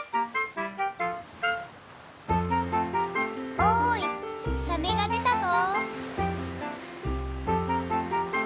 おいサメがでたぞ！